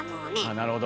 なるほど。